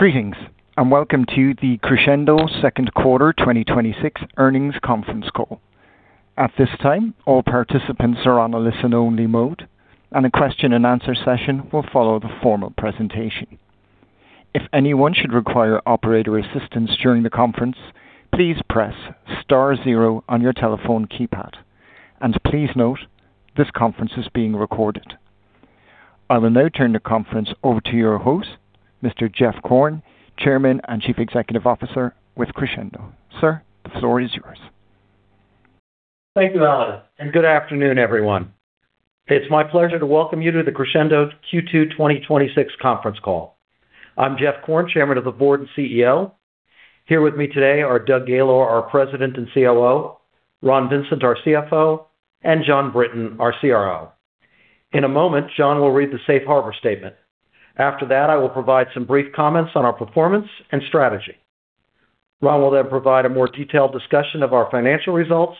Greetings, welcome to the Crexendo Second Quarter 2026 Earnings Conference Call. I will now turn the conference over to your host, Mr. Jeff Korn, Chairman and Chief Executive Officer with Crexendo. Sir, the floor is yours. Thank you, Alan, good afternoon, everyone. It's my pleasure to welcome you to the Crexendo Q2 2026 conference call. I'm Jeff Korn, chairman of the board and CEO. Here with me today are Doug Gaylor, our president and COO, Ron Vincent, our CFO, Jon Brinton, our CRO. In a moment, Jon will read the safe harbor statement. After that, I will provide some brief comments on our performance and strategy. Ron will then provide a more detailed discussion of our financial results,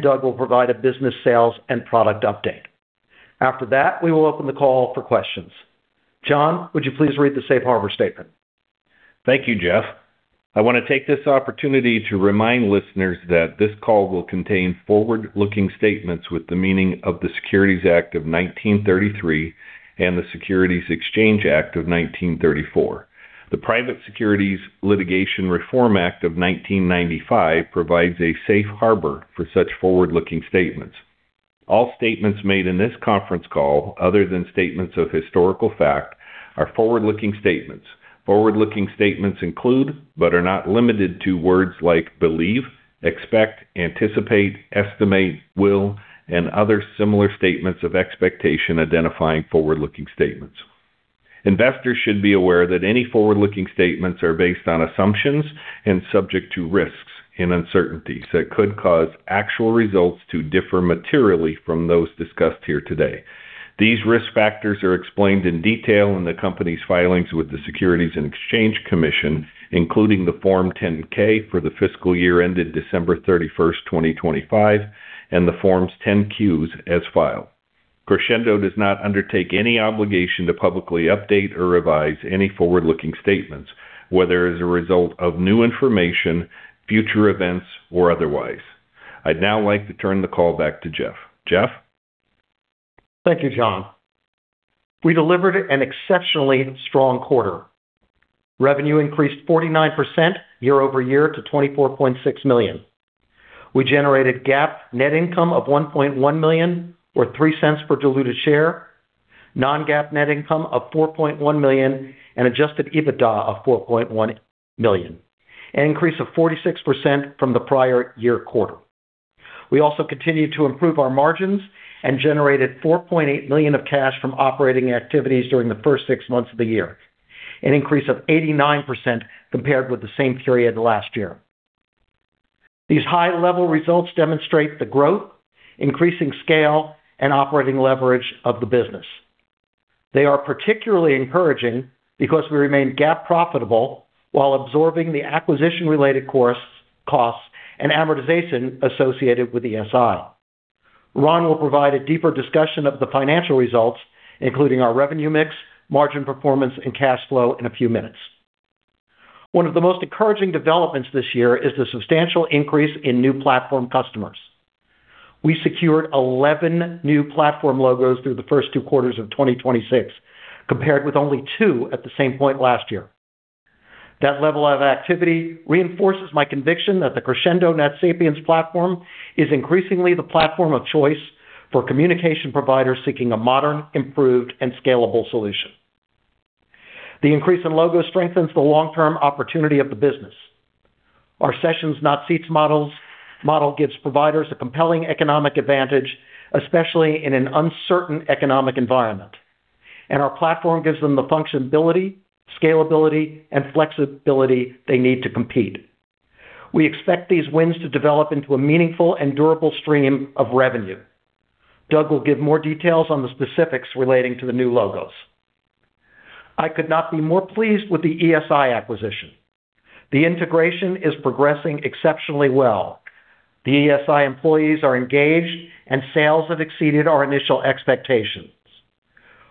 Doug will provide a business sales and product update. After that, we will open the call for questions. Jon, would you please read the safe harbor statement? Thank you, Jeff. I want to take this opportunity to remind listeners that this call will contain forward-looking statements with the meaning of the Securities Act of 1933 and the Securities Exchange Act of 1934. The Private Securities Litigation Reform Act of 1995 provides a safe harbor for such forward-looking statements. All statements made in this conference call, other than statements of historical fact, are forward-looking statements. Forward-looking statements include, but are not limited to, words like believe, expect, anticipate, estimate, will, and other similar statements of expectation identifying forward-looking statements. Investors should be aware that any forward-looking statements are based on assumptions and subject to risks and uncertainties that could cause actual results to differ materially from those discussed here today. These risk factors are explained in detail in the company's filings with the Securities and Exchange Commission, including the Form 10-K for the fiscal year ended December 31st, 2025, the Form 10-Q as filed. Crexendo does not undertake any obligation to publicly update or revise any forward-looking statements, whether as a result of new information, future events, or otherwise. I'd now like to turn the call back to Jeff. Jeff? Thank you, Jon. We delivered an exceptionally strong quarter. Revenue increased 49% year-over-year to $24.6 million. We generated GAAP net income of $1.1 million, or $0.03 per diluted share, non-GAAP net income of $4.1 million, and adjusted EBITDA of $4.1 million, an increase of 46% from the prior year quarter. We also continued to improve our margins and generated $4.8 million of cash from operating activities during the first six months of the year, an increase of 89% compared with the same period last year. These high-level results demonstrate the growth, increasing scale, and operating leverage of the business. They are particularly encouraging because we remain GAAP profitable while absorbing the acquisition-related costs and amortization associated with ESI. Ron will provide a deeper discussion of the financial results, including our revenue mix, margin performance, and cash flow in a few minutes. One of the most encouraging developments this year is the substantial increase in new platform customers. We secured 11 new platform logos through the first two quarters of 2026, compared with only two at the same point last year. That level of activity reinforces my conviction that the Crexendo NetSapiens platform is increasingly the platform of choice for communication providers seeking a modern, improved, and scalable solution. The increase in logos strengthens the long-term opportunity of the business. Our sessions-not-seats model gives providers a compelling economic advantage, especially in an uncertain economic environment. Our platform gives them the functionality, scalability, and flexibility they need to compete. We expect these wins to develop into a meaningful and durable stream of revenue. Doug will give more details on the specifics relating to the new logos. I could not be more pleased with the ESI acquisition. The integration is progressing exceptionally well. The ESI employees are engaged. Sales have exceeded our initial expectations.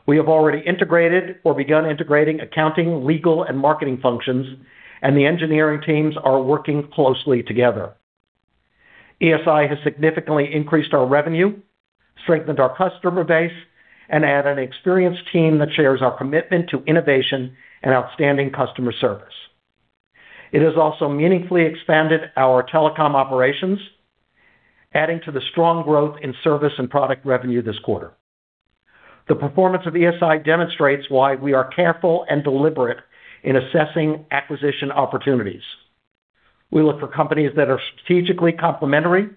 We have already integrated or begun integrating accounting, legal, and marketing functions. The engineering teams are working closely together. ESI has significantly increased our revenue, strengthened our customer base, and added an experienced team that shares our commitment to innovation and outstanding customer service. It has also meaningfully expanded our telecom operations, adding to the strong growth in service and product revenue this quarter. The performance of ESI demonstrates why we are careful and deliberate in assessing acquisition opportunities. We look for companies that are strategically complementary,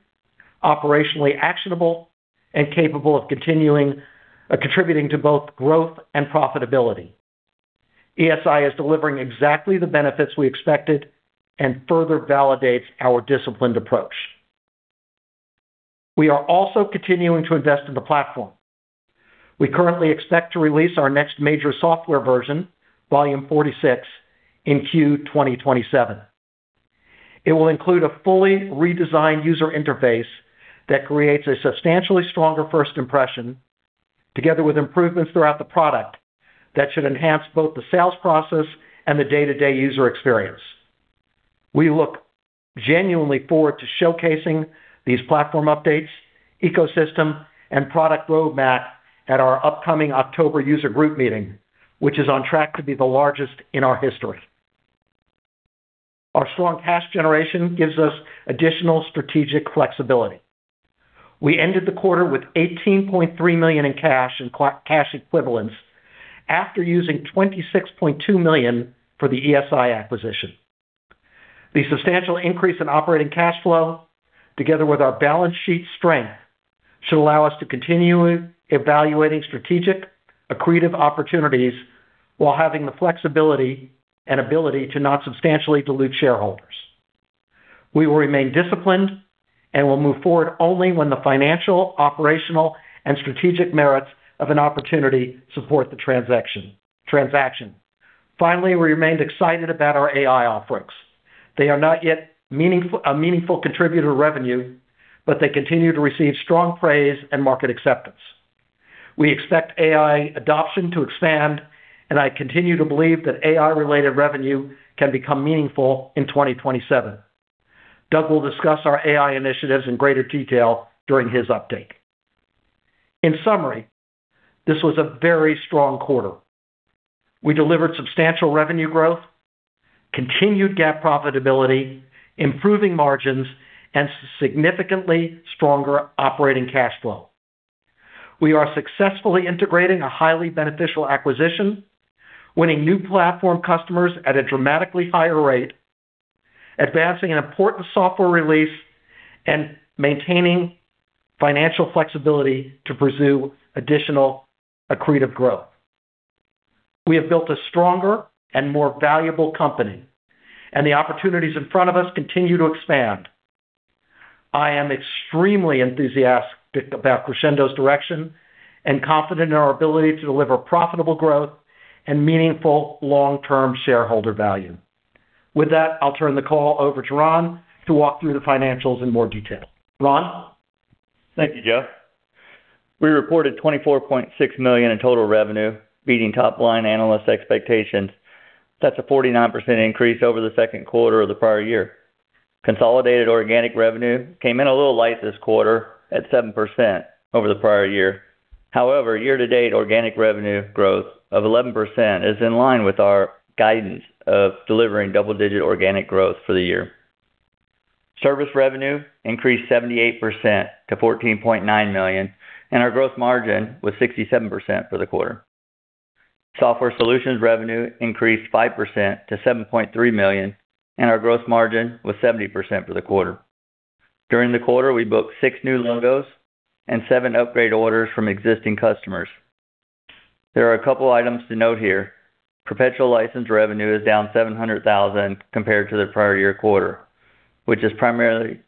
operationally actionable, and capable of contributing to both growth and profitability. ESI is delivering exactly the benefits we expected and further validates our disciplined approach. We are also continuing to invest in the platform. We currently expect to release our next major software version, volume 46, in Q2027. It will include a fully redesigned user interface that creates a substantially stronger first impression, together with improvements throughout the product that should enhance both the sales process and the day-to-day user experience. We look genuinely forward to showcasing these platform updates, ecosystem, and product roadmap at our upcoming October user group meeting, which is on track to be the largest in our history. Our strong cash generation gives us additional strategic flexibility. We ended the quarter with $18.3 million in cash and cash equivalents after using $26.2 million for the ESI acquisition. The substantial increase in operating cash flow, together with our balance sheet strength, should allow us to continue evaluating strategic accretive opportunities while having the flexibility and ability to not substantially dilute shareholders. We will remain disciplined and will move forward only when the financial, operational, and strategic merits of an opportunity support the transaction. We remained excited about our AI offerings. They are not yet a meaningful contributor revenue, but they continue to receive strong praise and market acceptance. We expect AI adoption to expand, and I continue to believe that AI-related revenue can become meaningful in 2027. Doug will discuss our AI initiatives in greater detail during his update. This was a very strong quarter. We delivered substantial revenue growth, continued GAAP profitability, improving margins, and significantly stronger operating cash flow. We are successfully integrating a highly beneficial acquisition, winning new platform customers at a dramatically higher rate, advancing an important software release, and maintaining financial flexibility to pursue additional accretive growth. We have built a stronger and more valuable company, and the opportunities in front of us continue to expand. I am extremely enthusiastic about Crexendo's direction and confident in our ability to deliver profitable growth and meaningful long-term shareholder value. I'll turn the call over to Ron to walk through the financials in more detail. Ron. Thank you, Jeff. We reported $24.6 million in total revenue, beating top-line analyst expectations. That's a 49% increase over the second quarter of the prior year. Consolidated organic revenue came in a little light this quarter at 7% over the prior year. Year-to-date organic revenue growth of 11% is in line with our guidance of delivering double-digit organic growth for the year. Service revenue increased 78% to $14.9 million, and our growth margin was 67% for the quarter. Software solutions revenue increased 5% to $7.3 million, and our growth margin was 70% for the quarter. During the quarter, we booked six new logos and seven upgrade orders from existing customers. There are a couple items to note here. Perpetual license revenue is down $700,000 compared to the prior year quarter, which is primarily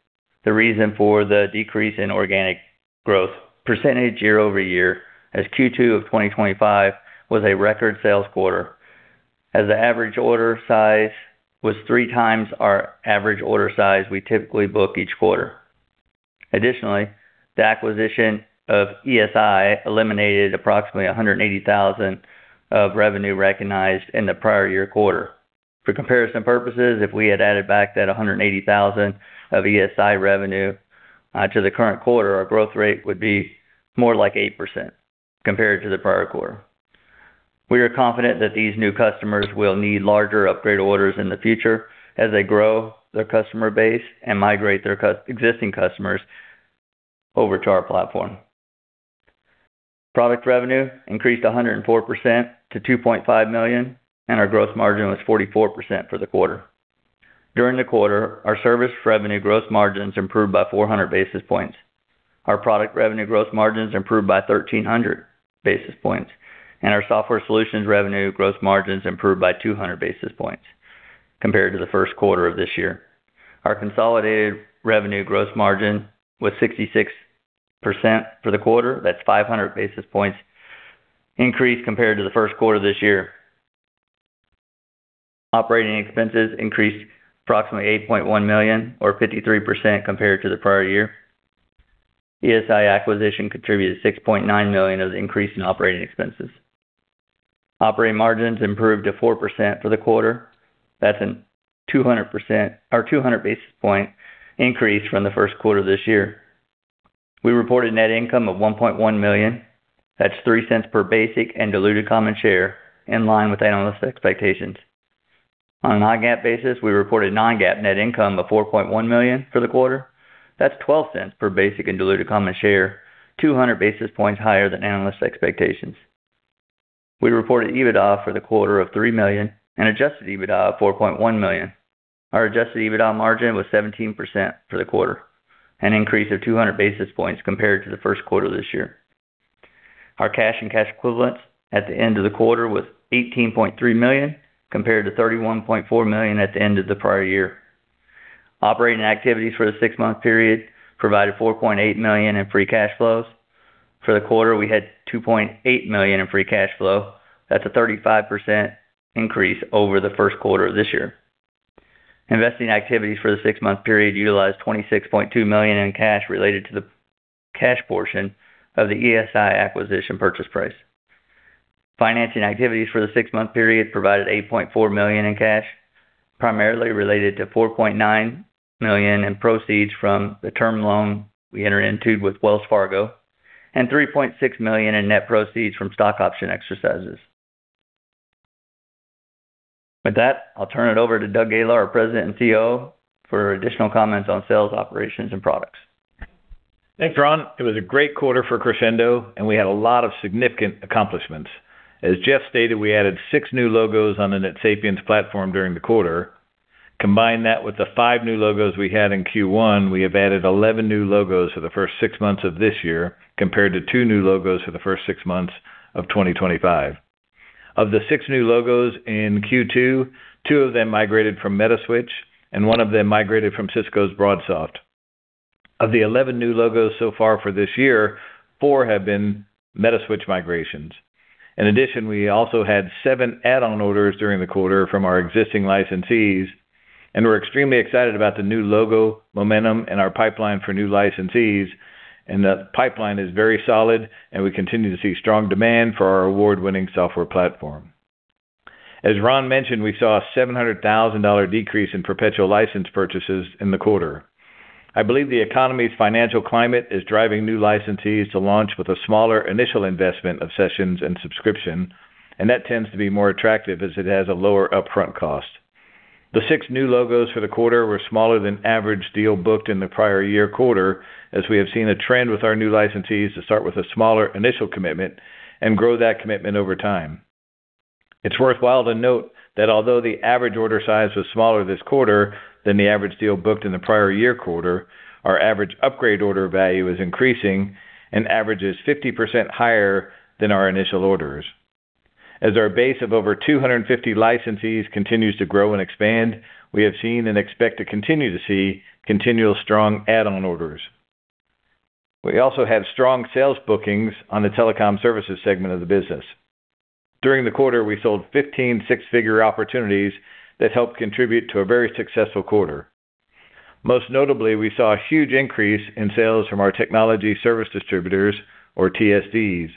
the reason for the decrease in organic growth percentage year-over-year as Q2 of 2025 was a record sales quarter as the average order size was 3x our average order size we typically book each quarter. Additionally, the acquisition of ESI eliminated approximately $180,000 of revenue recognized in the prior year quarter. For comparison purposes, if we had added back that $180,000 of ESI revenue to the current quarter, our growth rate would be more like 8% compared to the prior quarter. We are confident that these new customers will need larger upgrade orders in the future as they grow their customer base and migrate their existing customers over to our platform. Product revenue increased 104% to $2.5 million, and our growth margin was 44% for the quarter. During the quarter, our service revenue growth margins improved by 400 basis points. Our product revenue growth margins improved by 1,300 basis points. Our software solutions revenue growth margins improved by 200 basis points compared to the first quarter of this year. Our consolidated revenue growth margin was 66% for the quarter. That's a 500 basis points increase compared to the first quarter of this year. Operating expenses increased approximately $8.1 million or 53% compared to the prior year. Estech Systems, LLC acquisition contributed $6.9 million of the increase in operating expenses. Operating margins improved to 4% for the quarter. That's a 200 basis point increase from the first quarter of this year. We reported net income of $1.1 million. That's $0.03 per basic and diluted common share, in line with analyst expectations. On a non-GAAP basis, we reported non-GAAP net income of $4.1 million for the quarter. That's $0.12 per basic and diluted common share, 200 basis points higher than analyst expectations. We reported EBITDA for the quarter of $3 million and adjusted EBITDA of $4.1 million. Our adjusted EBITDA margin was 17% for the quarter, an increase of 200 basis points compared to the first quarter of this year. Our cash and cash equivalents at the end of the quarter was $18.3 million, compared to $31.4 million at the end of the prior year. Operating activities for the six-month period provided $4.8 million in free cash flows. For the quarter, we had $2.8 million in free cash flow. That's a 35% increase over the first quarter of this year. Investing activities for the six-month period utilized $26.2 million in cash related to the cash portion of the Estech Systems, LLC acquisition purchase price. Financing activities for the six-month period provided $8.4 million in cash, primarily related to $4.9 million in proceeds from the term loan we entered into with Wells Fargo. $3.6 million in net proceeds from stock option exercises. With that, I'll turn it over to Doug Gaylor, our President and Chief Operating Officer, for additional comments on sales, operations, and products. Thanks, Ron. It was a great quarter for Crexendo. We had a lot of significant accomplishments. As Jeff stated, we added six new logos on the NetSapiens platform during the quarter. Combine that with the five new logos we had in Q1, we have added 11 new logos for the first six months of this year, compared to two new logos for the first six months of 2025. Of the six new logos in Q2, two of them migrated from Metaswitch. One of them migrated from Cisco's BroadSoft. Of the 11 new logos so far for this year, four have been Metaswitch migrations. In addition, we also had seven add-on orders during the quarter from our existing licensees, and we're extremely excited about the new logo momentum and our pipeline for new licensees, and the pipeline is very solid, and we continue to see strong demand for our award-winning software platform. As Ron mentioned, we saw a $700,000 decrease in perpetual license purchases in the quarter. I believe the economy's financial climate is driving new licensees to launch with a smaller initial investment of sessions and subscription, and that tends to be more attractive as it has a lower upfront cost. The six new logos for the quarter were smaller than average deal booked in the prior year quarter, as we have seen a trend with our new licensees to start with a smaller initial commitment and grow that commitment over time. It's worthwhile to note that although the average order size was smaller this quarter than the average deal booked in the prior year quarter, our average upgrade order value is increasing and averages 50% higher than our initial orders. As our base of over 250 licensees continues to grow and expand, we have seen and expect to continue to see continual strong add-on orders. We also have strong sales bookings on the telecom services segment of the business. During the quarter, we sold 15 six-figure opportunities that helped contribute to a very successful quarter. Most notably, we saw a huge increase in sales from our Technology Services Distributors or TSDs.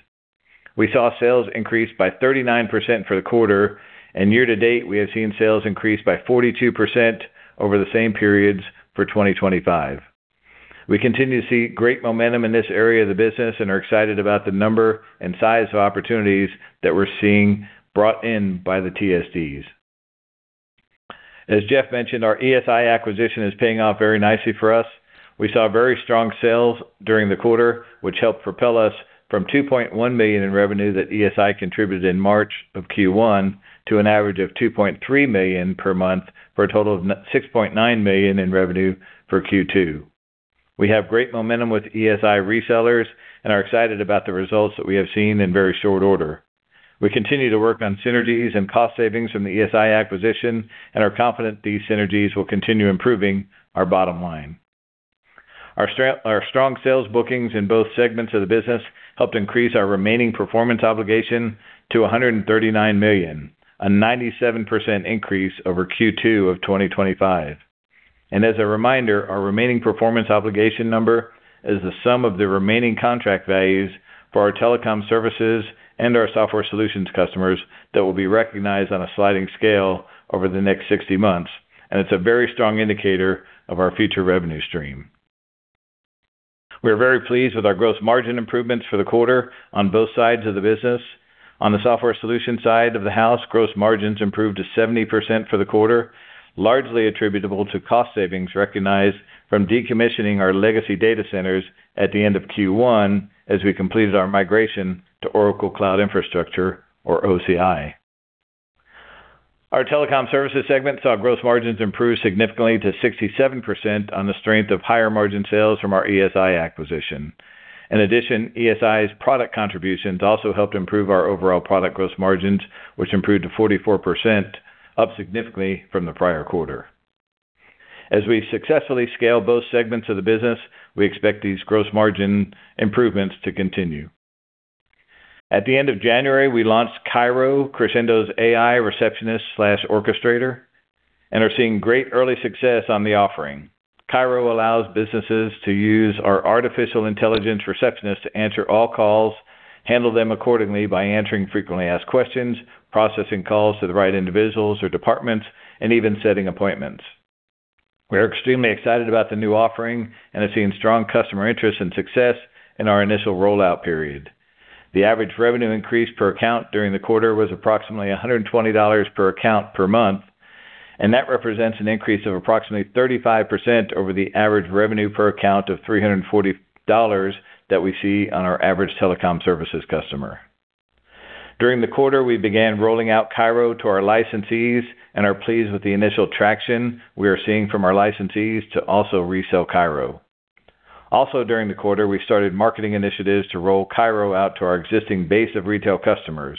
We saw sales increase by 39% for the quarter, and year-to-date, we have seen sales increase by 42% over the same periods for 2025. We continue to see great momentum in this area of the business and are excited about the number and size of opportunities that we're seeing brought in by the TSDs. As Jeff mentioned, our ESI acquisition is paying off very nicely for us. We saw very strong sales during the quarter, which helped propel us from $2.1 million in revenue that ESI contributed in March of Q1 to an average of $2.3 million per month for a total of $6.9 million in revenue for Q2. We have great momentum with ESI resellers and are excited about the results that we have seen in very short order. We continue to work on synergies and cost savings from the ESI acquisition and are confident these synergies will continue improving our bottom line. Our strong sales bookings in both segments of the business helped increase our remaining performance obligation to $139 million, a 97% increase over Q2 of 2025. As a reminder, our remaining performance obligation number is the sum of the remaining contract values for our telecom services and our software solutions customers that will be recognized on a sliding scale over the next 60 months, and it's a very strong indicator of our future revenue stream. We are very pleased with our gross margin improvements for the quarter on both sides of the business. On the software solution side of the house, gross margins improved to 70% for the quarter, largely attributable to cost savings recognized from decommissioning our legacy data centers at the end of Q1 as we completed our migration to Oracle Cloud Infrastructure or OCI. Our telecom services segment saw gross margins improve significantly to 67% on the strength of higher margin sales from our ESI acquisition. In addition, ESI's product contributions also helped improve our overall product gross margins, which improved to 44%, up significantly from the prior quarter. As we successfully scale both segments of the business, we expect these gross margin improvements to continue. At the end of January, we launched CAIRO, Crexendo's AI receptionist/orchestrator, and are seeing great early success on the offering. CAIRO allows businesses to use our artificial intelligence receptionist to answer all calls, handle them accordingly by answering frequently asked questions, processing calls to the right individuals or departments, and even setting appointments. We are extremely excited about the new offering and have seen strong customer interest and success in our initial rollout period. The average revenue increase per account during the quarter was approximately $120 per account per month, and that represents an increase of approximately 35% over the average revenue per account of $340 that we see on our average telecom services customer. During the quarter, we began rolling out CAIRO to our licensees and are pleased with the initial traction we are seeing from our licensees to also resell CAIRO. Also during the quarter, we started marketing initiatives to roll CAIRO out to our existing base of retail customers.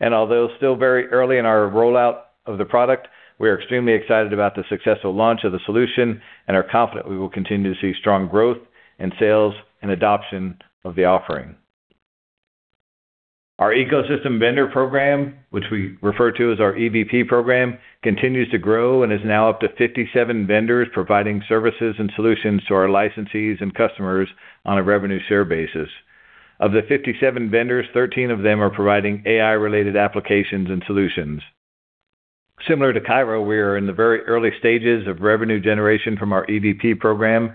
Although still very early in our rollout of the product, we are extremely excited about the successful launch of the solution and are confident we will continue to see strong growth in sales and adoption of the offering. Our ecosystem vendor program, which we refer to as our EVP program, continues to grow and is now up to 57 vendors providing services and solutions to our licensees and customers on a revenue share basis. Of the 57 vendors, 13 of them are providing AI-related applications and solutions. Similar to CAIRO, we are in the very early stages of revenue generation from our EVP program,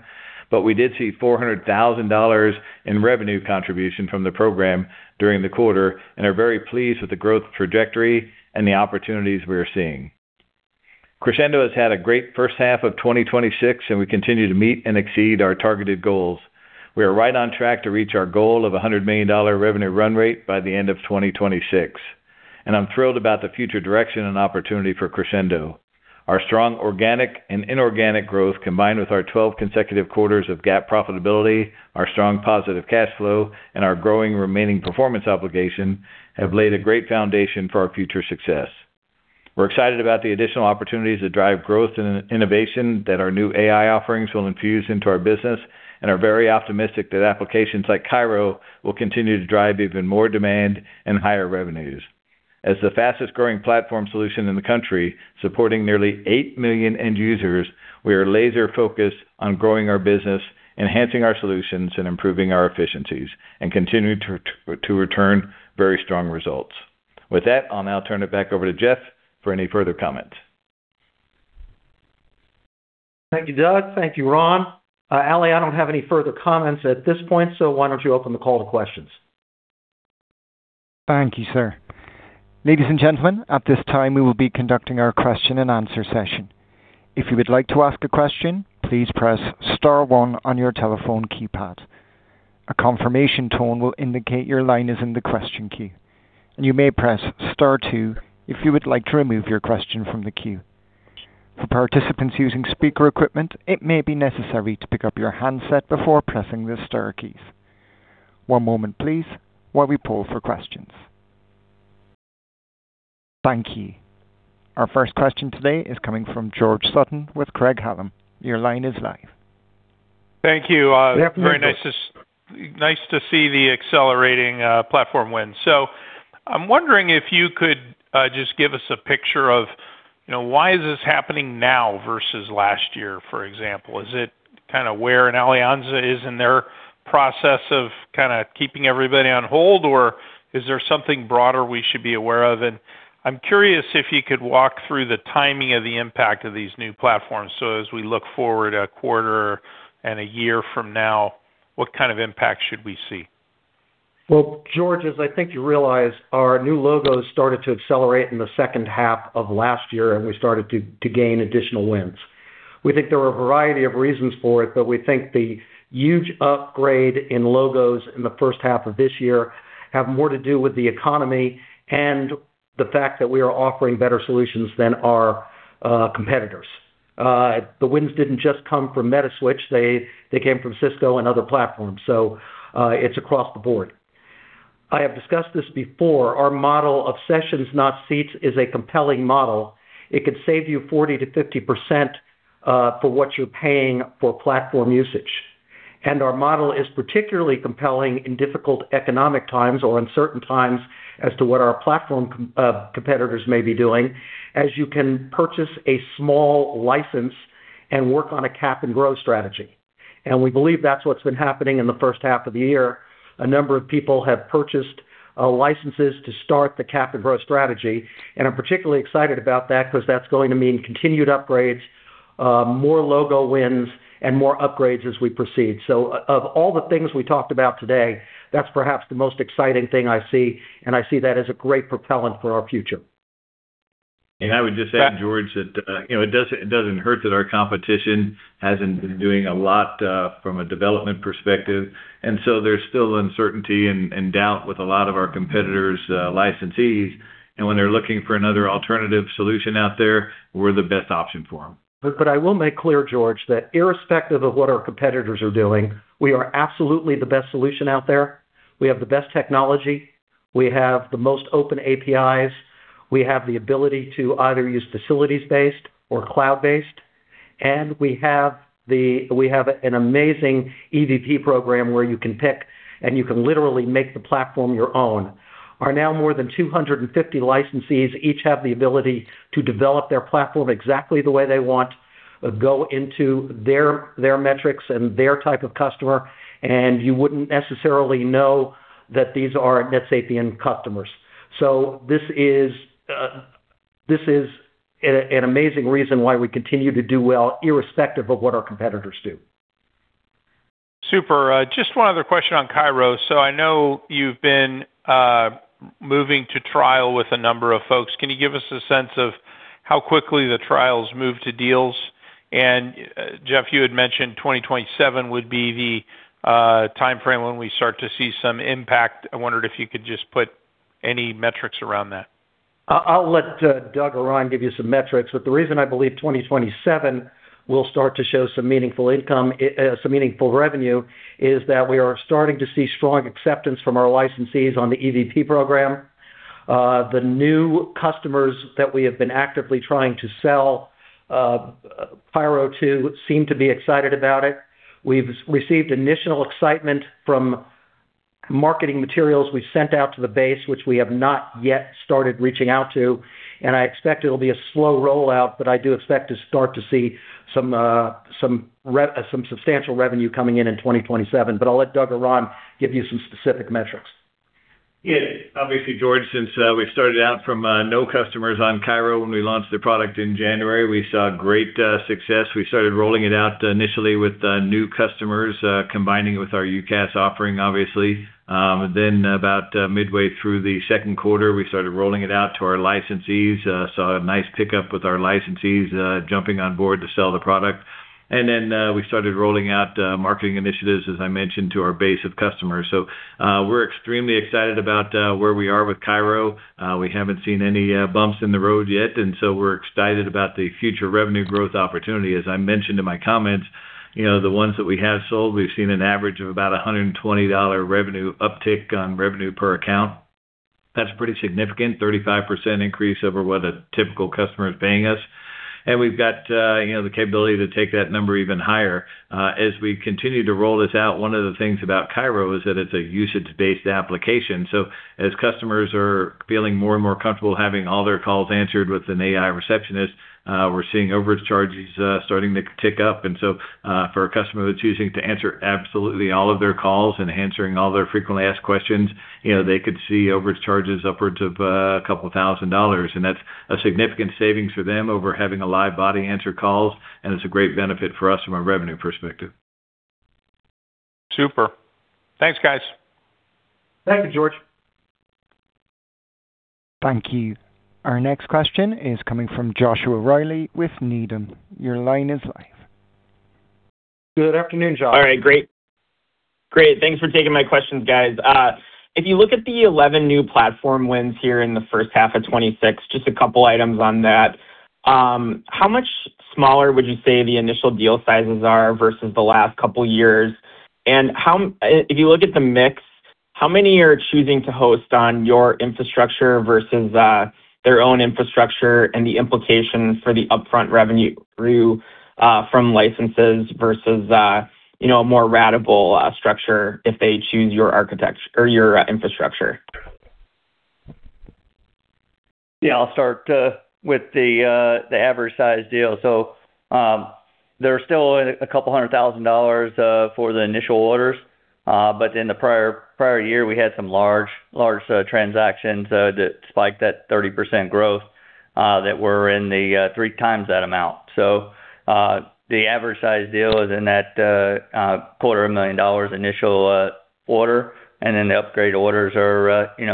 but we did see $400,000 in revenue contribution from the program during the quarter and are very pleased with the growth trajectory and the opportunities we are seeing. Crexendo has had a great first half of 2026. We continue to meet and exceed our targeted goals. We are right on track to reach our goal of $100 million revenue run rate by the end of 2026. I'm thrilled about the future direction and opportunity for Crexendo. Our strong organic and inorganic growth, combined with our 12 consecutive quarters of GAAP profitability, our strong positive cash flow, and our growing remaining performance obligation, have laid a great foundation for our future success. We're excited about the additional opportunities that drive growth and innovation that our new AI offerings will infuse into our business and are very optimistic that applications like CAIRO will continue to drive even more demand and higher revenues. As the fastest-growing platform solution in the country, supporting nearly 8 million end users, we are laser-focused on growing our business, enhancing our solutions, and improving our efficiencies. We continue to return very strong results. With that, I'll now turn it back over to Jeff for any further comment. Thank you, Doug. Thank you, Ron. Alan, I don't have any further comments at this point. Why don't you open the call to questions? Thank you, sir. Ladies and gentlemen, at this time, we will be conducting our question and answer session. If you would like to ask a question, please press star one on your telephone keypad. Our first question today is coming from George Sutton with Craig-Hallum. Thank you. Very nice to see the accelerating platform win. I'm wondering if you could just give us a picture of why is this happening now versus last year, for example? Is it where an Allianz is in their process of keeping everybody on hold, or is there something broader we should be aware of? I'm curious if you could walk through the timing of the impact of these new platforms. As we look forward a quarter and a year from now, what kind of impact should we see? Well, George, as I think you realize, our new logos started to accelerate in the second half of last year, we started to gain additional wins. We think there are a variety of reasons for it, we think the huge upgrade in logos in the first half of this year have more to do with the economy and the fact that we are offering better solutions than our competitors. The wins didn't just come from Metaswitch. They came from Cisco and other platforms. It's across the board. I have discussed this before. Our model of sessions-not-seats is a compelling model. It could save you 40%-50% for what you're paying for platform usage. Our model is particularly compelling in difficult economic times or uncertain times as to what our platform competitors may be doing, as you can purchase a small license and work on a cap and growth strategy. We believe that's what's been happening in the first half of the year. A number of people have purchased licenses to start the cap and growth strategy, I'm particularly excited about that because that's going to mean continued upgrades, more logo wins, and more upgrades as we proceed. Of all the things we talked about today, that's perhaps the most exciting thing I see, I see that as a great propellant for our future. I would just add, George, that it doesn't hurt that our competition hasn't been doing a lot from a development perspective. There's still uncertainty and doubt with a lot of our competitors' licensees. When they're looking for another alternative solution out there, we're the best option for them. I will make clear, George, that irrespective of what our competitors are doing, we are absolutely the best solution out there. We have the best technology. We have the most open APIs. We have the ability to either use facilities-based or cloud-based, and we have an amazing EVP program where you can pick and you can literally make the platform your own. Our now more than 250 licensees each have the ability to develop their platform exactly the way they want, go into their metrics and their type of customer, and you wouldn't necessarily know that these aren't NetSapiens customers. This is an amazing reason why we continue to do well, irrespective of what our competitors do. Super. Just one other question on CAIRO. I know you've been moving to trial with a number of folks. Can you give us a sense of how quickly the trials move to deals? Jeff, you had mentioned 2027 would be the timeframe when we start to see some impact. I wondered if you could just put any metrics around that. I'll let Doug or Ron give you some metrics, but the reason I believe 2027 will start to show some meaningful revenue is that we are starting to see strong acceptance from our licensees on the EVP program. The new customers that we have been actively trying to sell CAIRO to seem to be excited about it. We've received initial excitement from marketing materials we sent out to the base, which we have not yet started reaching out to. I expect it'll be a slow rollout, but I do expect to start to see some substantial revenue coming in in 2027. I'll let Doug or Ron give you some specific metrics. Obviously, George, since we started out from no customers on CAIRO when we launched the product in January, we saw great success. We started rolling it out initially with new customers, combining with our UCaaS offering, obviously. About midway through the second quarter, we started rolling it out to our licensees, saw a nice pickup with our licensees jumping on board to sell the product. We started rolling out marketing initiatives, as I mentioned, to our base of customers. We're extremely excited about where we are with CAIRO. We haven't seen any bumps in the road yet. We're excited about the future revenue growth opportunity. As I mentioned in my comments, the ones that we have sold, we've seen an average of about $120 revenue uptick on revenue per account. That's pretty significant, 35% increase over what a typical customer is paying us. We've got the capability to take that number even higher. As we continue to roll this out, one of the things about CAIRO is that it's a usage-based application. As customers are feeling more and more comfortable having all their calls answered with an AI receptionist, we're seeing overcharges starting to tick up. For a customer that's choosing to answer absolutely all of their calls and answering all their frequently asked questions, they could see overcharges upwards of a couple thousand dollars. That's a significant savings for them over having a live body answer calls, and it's a great benefit for us from a revenue perspective. Super. Thanks, guys. Thank you, George. Thank you. Our next question is coming from Joshua Reilly with Needham. Good afternoon, Josh. All right, great. Thanks for taking my questions, guys. If you look at the 11 new platform wins here in the first half of 2026, just a couple items on that. How much smaller would you say the initial deal sizes are versus the last couple years? If you look at the mix, how many are choosing to host on your infrastructure versus their own infrastructure and the implication for the upfront revenue from licenses versus a more ratable structure if they choose your infrastructure? I'll start with the average size deal. They're still a couple hundred thousand dollars for the initial orders. In the prior year, we had some large transactions that spiked that 30% growth that were in the three times that amount. The average size deal is in that $250,000 initial order, and the upgrade orders are in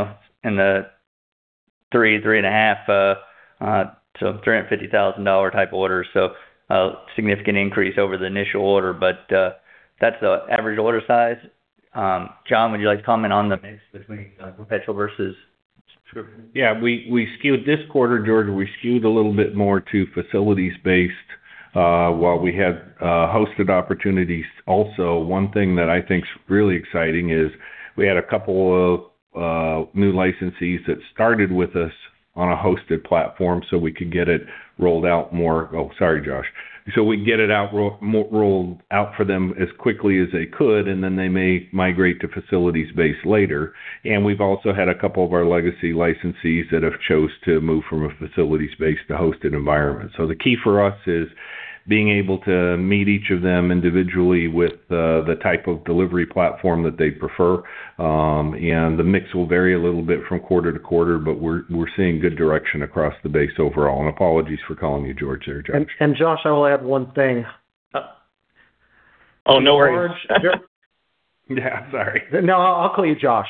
the the 3.5, so $350,000-type orders. A significant increase over the initial order. That's the average order size. Jon, would you like to comment on the mix between perpetual versus- Sure. This quarter, George, we skewed a little bit more to facilities-based while we had hosted opportunities also. One thing that I think is really exciting is we had a couple of new licensees that started with us on a hosted platform. Oh, sorry, Josh. We can get it rolled out for them as quickly as they could, and then they may migrate to facilities-based later. We've also had a couple of our legacy licensees that have chose to move from a facilities-based to hosted environment. The key for us is being able to meet each of them individually with the type of delivery platform that they prefer. The mix will vary a little bit from quarter to quarter, but we're seeing good direction across the base overall. Apologies for calling you George there, Josh. Josh, I will add one thing. Oh, no worries. Sorry. No, I'll call you Josh.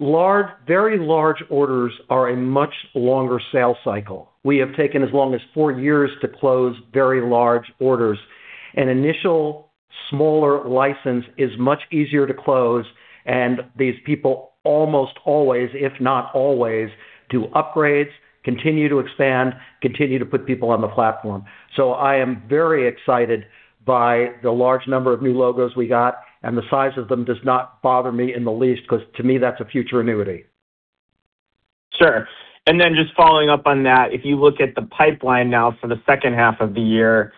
Very large orders are a much longer sales cycle. We have taken as long as four years to close very large orders. An initial smaller license is much easier to close, and these people almost always, if not always, do upgrades, continue to expand, continue to put people on the platform. I am very excited by the large number of new logos we got, and the size of them does not bother me in the least because to me that's a future annuity. Sure. Just following up on that, if you look at the pipeline now for the second half of the year,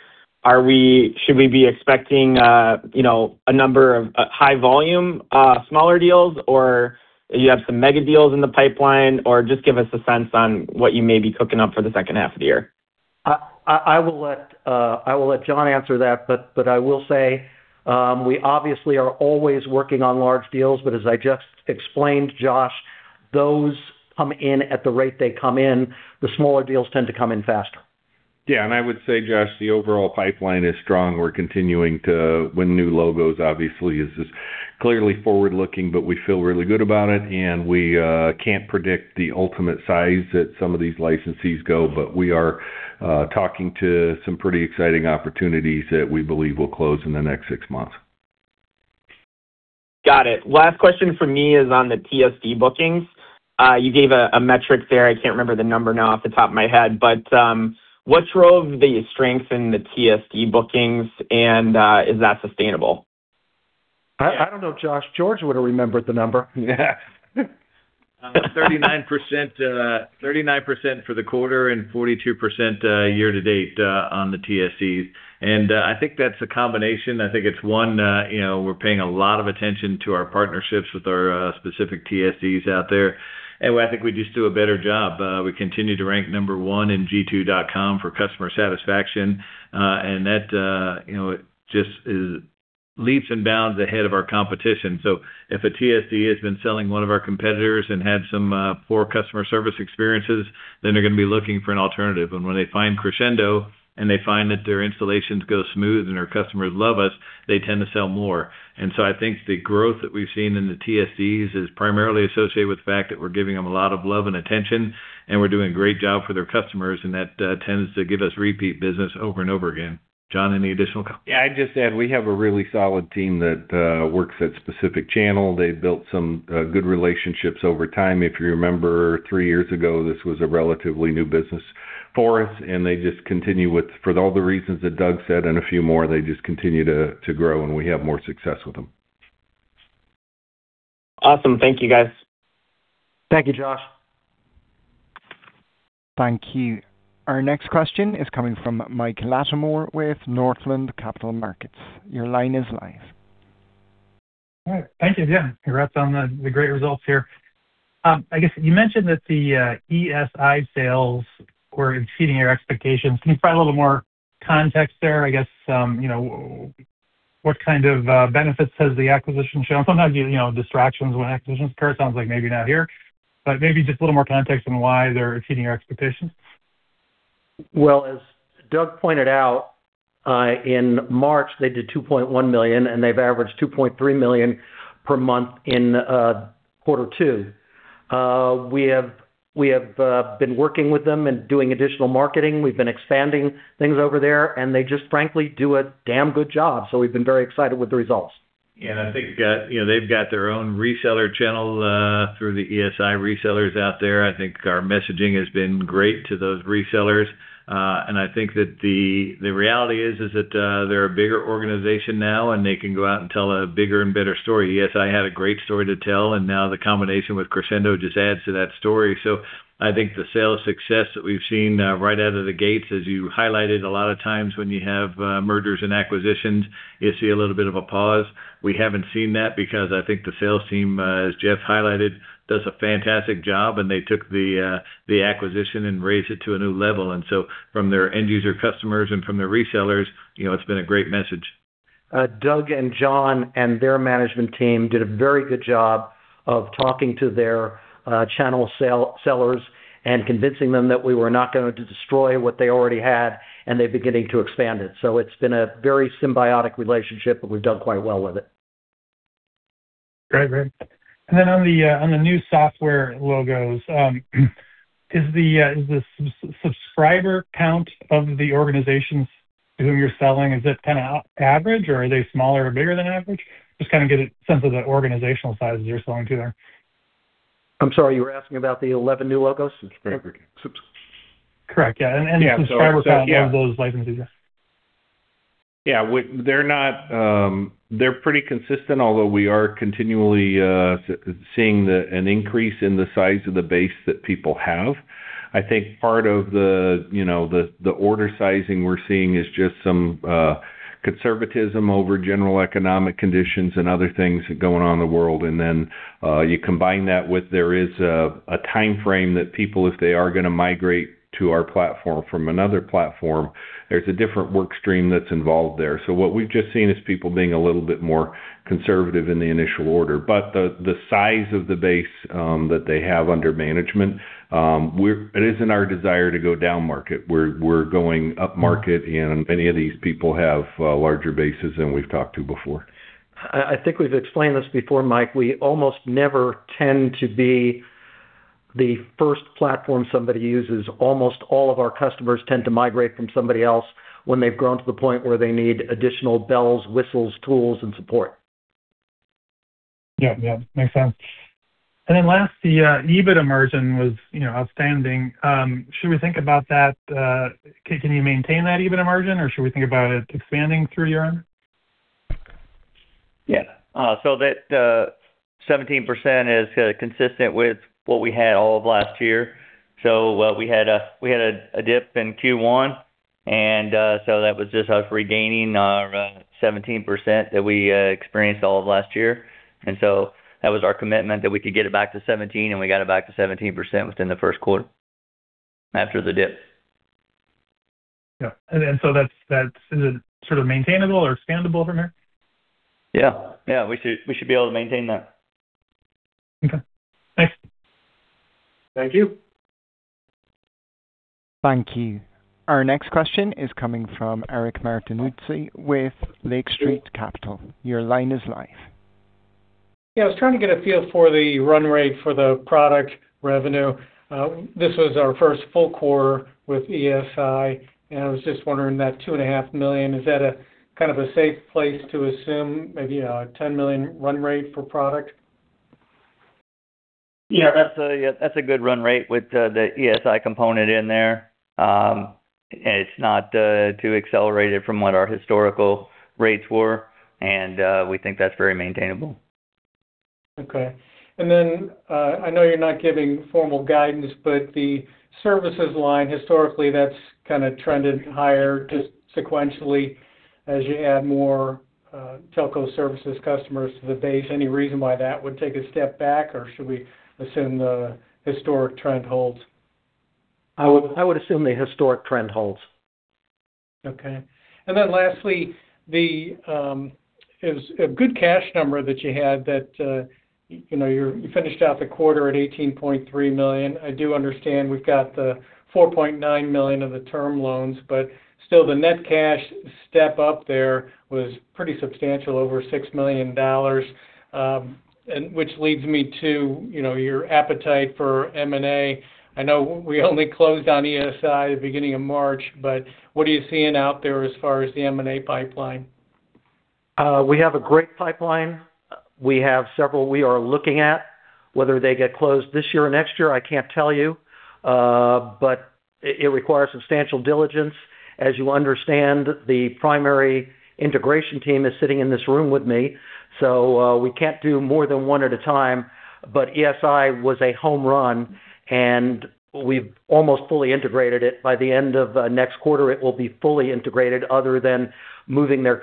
should we be expecting a number of high volume smaller deals, or you have some mega deals in the pipeline? Just give us a sense on what you may be cooking up for the second half of the year. I will let Jon answer that, but I will say, we obviously are always working on large deals, but as I just explained, Josh, those come in at the rate they come in. The smaller deals tend to come in faster. I would say, Josh, the overall pipeline is strong. We're continuing to win new logos, obviously. This is clearly forward-looking, but we feel really good about it, and we can't predict the ultimate size that some of these licensees go, but we are talking to some pretty exciting opportunities that we believe will close in the next six months. Got it. Last question from me is on the TSD bookings. You gave a metric there. I can't remember the number now off the top of my head, but what drove the strength in the TSD bookings, and is that sustainable? I don't know, Josh. George would remember the number. Yeah. 39% for the quarter and 42% year-to-date on the TSDs. I think that's a combination. I think it's one, we're paying a lot of attention to our partnerships with our specific TSDs out there. I think we just do a better job. We continue to rank number 1 in g2.com for customer satisfaction, and that just is leaps and bounds ahead of our competition. If a TSD has been selling one of our competitors and had some poor customer service experiences, then they're going to be looking for an alternative. When they find Crexendo, and they find that their installations go smooth and our customers love us, they tend to sell more. I think the growth that we've seen in the TSDs is primarily associated with the fact that we're giving them a lot of love and attention, and we're doing a great job for their customers, and that tends to give us repeat business over and over again. Jon, any additional comment? Yeah, I'd just add, we have a really solid team that works at specific channel. They've built some good relationships over time. If you remember, three years ago, this was a relatively new business for us. They just continue with, for all the reasons that Doug said and a few more, they just continue to grow, and we have more success with them. Awesome. Thank you, guys. Thank you, Josh. Thank you. Our next question is coming from Michael Latimore with Northland Capital Markets. All right. Thank you. Congrats on the great results here. You mentioned that the ESI sales were exceeding your expectations. Can you provide a little more context there? I guess, what kind of benefits has the acquisition shown? Sometimes, distractions when acquisitions occur. Sounds like maybe not here, but maybe just a little more context on why they're exceeding your expectations. Well, as Doug pointed out, in March they did $2.1 million, and they've averaged $2.3 million per month in quarter two. We have been working with them and doing additional marketing. We've been expanding things over there, and they just frankly do a damn good job. We've been very excited with the results. I think they've got their own reseller channel through the ESI resellers out there. I think our messaging has been great to those resellers. I think that the reality is that they're a bigger organization now, and they can go out and tell a bigger and better story. ESI had a great story to tell, and now the combination with Crexendo just adds to that story. I think the sales success that we've seen right out of the gates, as you highlighted, a lot of times when you have mergers and acquisitions, you see a little bit of a pause. We haven't seen that because I think the sales team, as Jeff highlighted, does a fantastic job, and they took the acquisition and raised it to a new level. From their end user customers and from their resellers, it's been a great message. Doug and Jon and their management team did a very good job of talking to their channel sellers and convincing them that we were not going to destroy what they already had, and they're beginning to expand it. It's been a very symbiotic relationship, but we've done quite well with it. Great. On the new software logos, is the subscriber count of the organizations who you're selling, is it average, or are they smaller or bigger than average? Just kind of get a sense of the organizational sizes you're selling to there. I'm sorry, you were asking about the 11 new logos? Subscriber count. Correct, yeah. Yeah subscriber count of those licenses Yeah. They're pretty consistent, although we are continually seeing an increase in the size of the base that people have. I think part of the order sizing we're seeing is just some conservatism over general economic conditions and other things going on in the world. Then you combine that with there is a timeframe that people, if they are going to migrate to our platform from another platform, there's a different work stream that's involved there. What we've just seen is people being a little bit more conservative in the initial order. The size of the base that they have under management, it isn't our desire to go down market. We're going up market, and many of these people have larger bases than we've talked to before. I think we've explained this before, Mike, we almost never tend to be the first platform somebody uses. Almost all of our customers tend to migrate from somebody else when they've grown to the point where they need additional bells, whistles, tools, and support. Last, the EBIT margin was outstanding. Should we think about that, can you maintain that EBIT margin, or should we think about it expanding through the year? That 17% is consistent with what we had all of last year. We had a dip in Q1, that was just us regaining our 17% that we experienced all of last year. That was our commitment, that we could get it back to 17%, and we got it back to 17% within the first quarter after the dip. Is it maintainable or expandable from here? Yeah. We should be able to maintain that. Okay. Thanks. Thank you. Thank you. Our next question is coming from Eric Martinuzzi with Lake Street Capital. Yeah. I was trying to get a feel for the run rate for the product revenue. This was our first full quarter with ESI, and I was just wondering that $2,500,000, is that a safe place to assume maybe a $10 million run rate for product? Yeah. That's a good run rate with the ESI component in there. It's not too accelerated from what our historical rates were, and we think that's very maintainable. Okay. I know you're not giving formal guidance, but the services line, historically, that's kind of trended higher just sequentially as you add more telco services customers to the base. Any reason why that would take a step back, or should we assume the historic trend holds? I would assume the historic trend holds. Okay. Lastly, it was a good cash number that you had that you finished out the quarter at $18.3 million. I do understand we've got the $4.9 million of the term loans, but still the net cash step up there was pretty substantial, over $6 million, and which leads me to your appetite for M&A. I know we only closed on ESI at the beginning of March, but what are you seeing out there as far as the M&A pipeline? We have a great pipeline. We have several we are looking at. Whether they get closed this year or next year, I can't tell you. It requires substantial diligence. As you understand, the primary integration team is sitting in this room with me, so we can't do more than one at a time. ESI was a home run, and we've almost fully integrated it. By the end of next quarter, it will be fully integrated other than moving their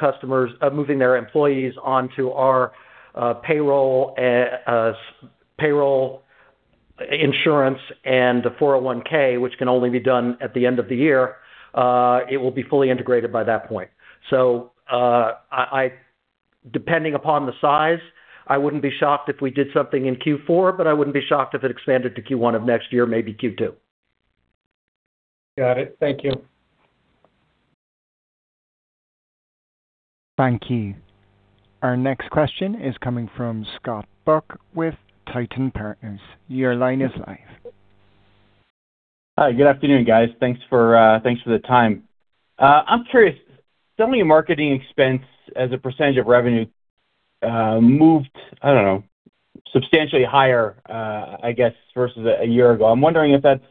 employees onto our payroll insurance and the 401(k), which can only be done at the end of the year. It will be fully integrated by that point. Depending upon the size, I wouldn't be shocked if we did something in Q4, but I wouldn't be shocked if it expanded to Q1 of next year, maybe Q2. Got it. Thank you. Thank you. Our next question is coming from Scott Buck with Titan Partners. Hi. Good afternoon, guys. Thanks for the time. I'm curious, selling and marketing expense as a percentage of revenue moved, I don't know, substantially higher, versus a year ago. I'm wondering if that's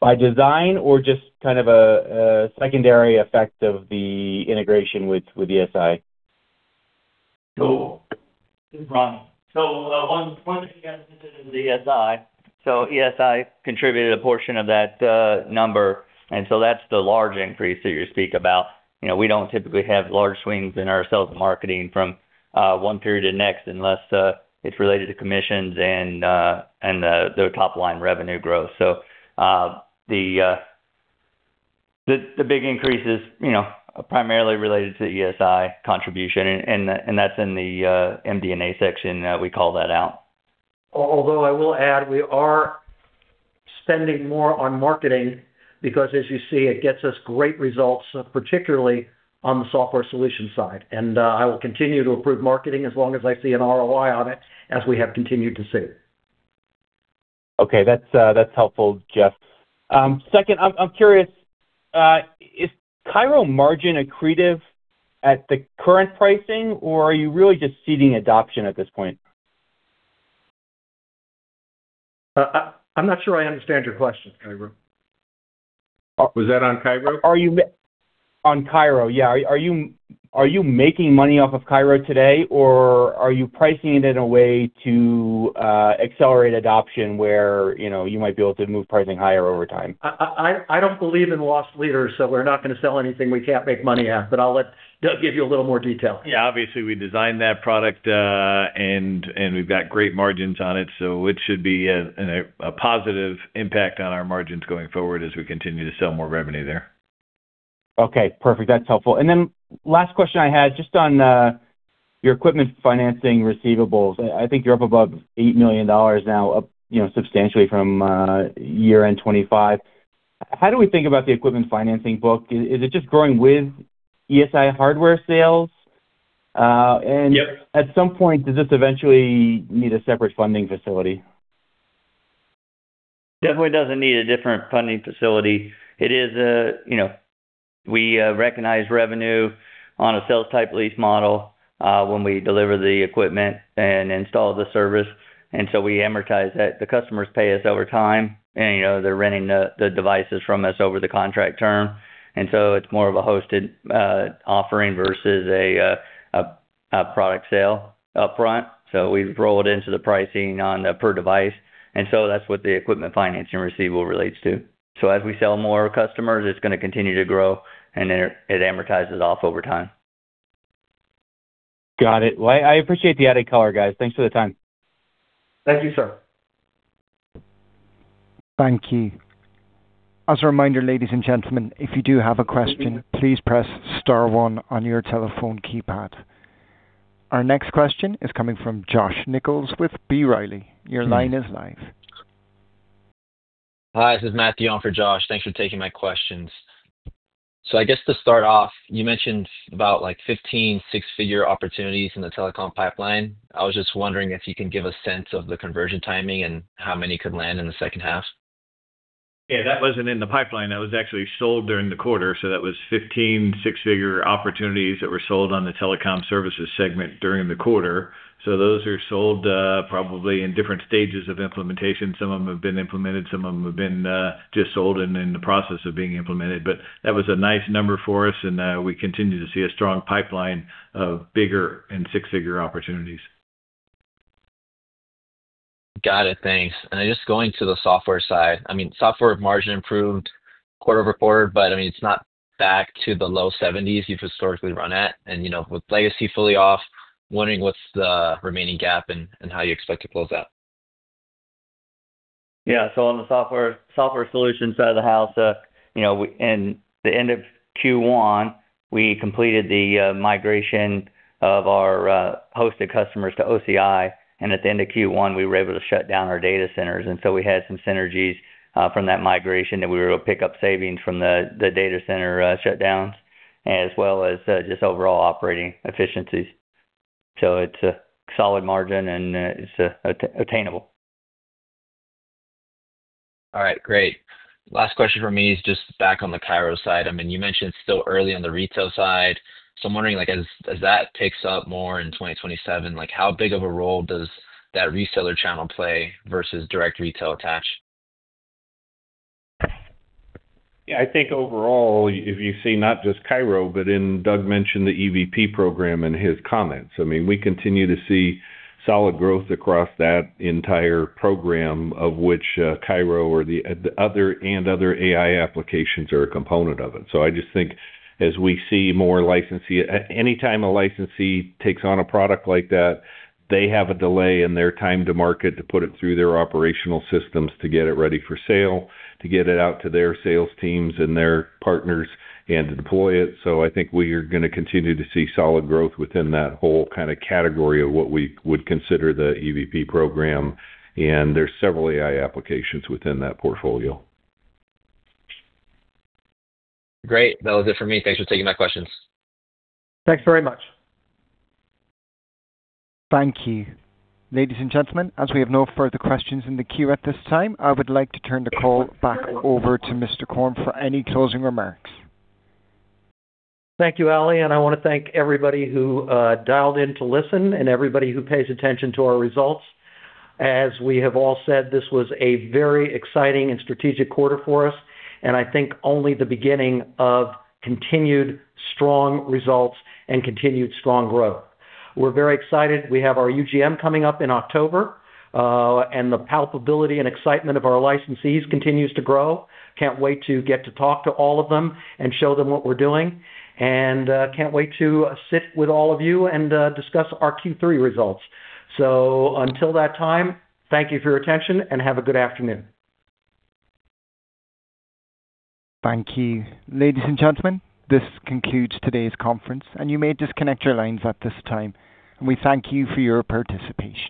by design or just kind of a secondary effect of the integration with ESI. This is Ron. One thing you guys mentioned is ESI. ESI contributed a portion of that number, and so that's the large increase that you speak about. We don't typically have large swings in our sales and marketing from one period to the next unless it's related to commissions and the top-line revenue growth. The big increase is primarily related to ESI contribution. That's in the MD&A section, we call that out. Although I will add, we are spending more on marketing because, as you see, it gets us great results, particularly on the software solution side. I will continue to improve marketing as long as I see an ROI on it, as we have continued to see. Okay. That's helpful, Jeff. Second, I'm curious, is CAIRO margin accretive at the current pricing, or are you really just seeding adoption at this point? I'm not sure I understand your question, CAIRO. Was that on CAIRO? On CAIRO, yeah. Are you making money off of CAIRO today, or are you pricing it in a way to accelerate adoption where you might be able to move pricing higher over time? I don't believe in loss leaders, so we're not going to sell anything we can't make money at. I'll let Doug give you a little more detail. Yeah. Obviously, we designed that product, and we've got great margins on it, so it should be a positive impact on our margins going forward as we continue to sell more revenue there. Okay, perfect. That's helpful. Last question I had, just on your equipment financing receivables, I think you're up above $8 million now, up substantially from year-end 2025. How do we think about the equipment financing book? Is it just growing with ESI hardware sales? Yep. At some point, does this eventually need a separate funding facility? Definitely doesn't need a different funding facility. We recognize revenue on a sales type lease model when we deliver the equipment and install the service, we amortize that. The customers pay us over time, and they're renting the devices from us over the contract term. It's more of a hosted offering versus a product sale upfront. We roll it into the pricing on the per device. That's what the equipment financing receivable relates to. As we sell more customers, it's going to continue to grow, and it amortizes off over time. Got it. I appreciate the added color, guys. Thanks for the time. Thank you, sir. Thank you. Our next question is coming from Josh Nichols with B. Riley. Hi, this is Matthew on for Josh. Thanks for taking my questions. I guess to start off, you mentioned about 15 six-figure opportunities in the telecom pipeline. I was just wondering if you can give a sense of the conversion timing and how many could land in the second half. Yeah, that wasn't in the pipeline. That was actually sold during the quarter. That was 15 six-figure opportunities that were sold on the telecom services segment during the quarter. Those are sold probably in different stages of implementation. Some of them have been implemented, some of them have been just sold and in the process of being implemented. That was a nice number for us, and we continue to see a strong pipeline of bigger and six-figure opportunities. Got it. Thanks. Just going to the software side. Software margin improved quarter-over-quarter, it's not back to the low 70s you've historically run at. With legacy fully off, wondering what's the remaining gap and how you expect to close that? On the software solution side of the house, in the end of Q1, we completed the migration of our hosted customers to OCI. At the end of Q1, we were able to shut down our data centers. We had some synergies from that migration that we were able to pick up savings from the data center shutdowns as well as just overall operating efficiencies. It's a solid margin, and it's attainable. All right, great. Last question from me is just back on the CAIRO side. You mentioned it's still early on the retail side. I'm wondering, as that picks up more in 2027, how big of a role does that reseller channel play versus direct retail attach? I think overall, if you see not just CAIRO, Doug mentioned the EVP program in his comments. We continue to see solid growth across that entire program, of which CAIRO and other AI applications are a component of it. I just think as we see more anytime a licensee takes on a product like that, they have a delay in their time to market to put it through their operational systems to get it ready for sale, to get it out to their sales teams and their partners, and to deploy it. I think we are going to continue to see solid growth within that whole category of what we would consider the EVP program, and there's several AI applications within that portfolio. Great. That was it for me. Thanks for taking my questions. Thanks very much. Thank you. Ladies and gentlemen, as we have no further questions in the queue at this time, I would like to turn the call back over to Mr. Korn for any closing remarks. Thank you, Alan, I want to thank everybody who dialed in to listen and everybody who pays attention to our results. As we have all said, this was a very exciting and strategic quarter for us, I think only the beginning of continued strong results and continued strong growth. We're very excited. We have our UGM coming up in October. The palpability and excitement of our licensees continues to grow. Can't wait to get to talk to all of them and show them what we're doing. Can't wait to sit with all of you and discuss our Q3 results. Until that time, thank you for your attention, and have a good afternoon. Thank you. Ladies and gentlemen, this concludes today's conference, you may disconnect your lines at this time. We thank you for your participation.